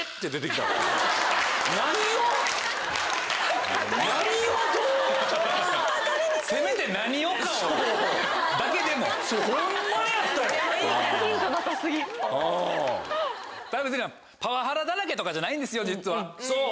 ただ別にパワハラだらけとかじゃないんですよ実は。